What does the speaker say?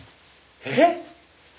えっ？